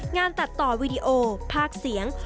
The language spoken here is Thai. งานตัดต่อวีดีโอภาคเสียง